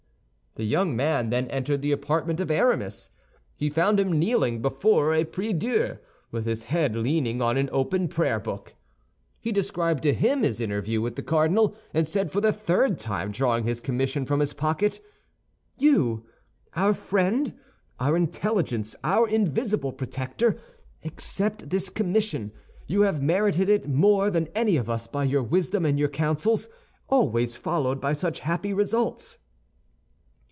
The young man then entered the apartment of Aramis. He found him kneeling before a priedieu, with his head leaning on an open prayer book. He described to him his interview with the cardinal, and said, for the third time drawing his commission from his pocket, "You, our friend, our intelligence, our invisible protector, accept this commission. You have merited it more than any of us by your wisdom and your counsels, always followed by such happy results."